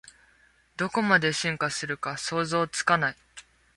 どこまで進化するか想像つかない